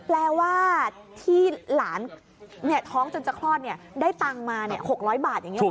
แปลว่าที่หลานท้องจนจะครอดเนี่ยได้ตังมา๖๐๐บาทอย่างนี้